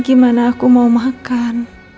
gimana aku mau makan